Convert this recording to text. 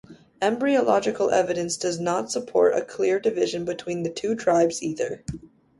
Embryological evidence does not support a clear division between the two tribes, either.